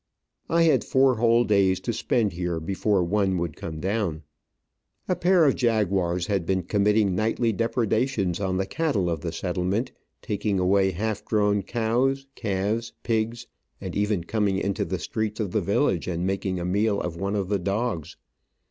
I had four whole days to spend here before one would come down. A pair of jaguars had been committing nightly depredations on the cattle of the settlement, taking away half grown cows, calves, pigs, and even coming into the streets Digitized by V:jOOQIC 202 Travels and Adventures of the village and making a meal of one of the dogs.